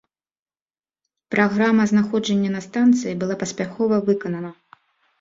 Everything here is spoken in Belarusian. Праграма знаходжання на станцыі была паспяхова выканана.